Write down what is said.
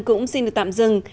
cũng xin được tạm dừng